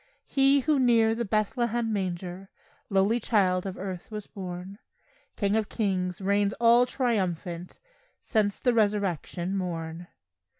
He who near the Bethlehem manger Lowly child of earth was born, King of kings reigns all triumphant Since the resurrection morn.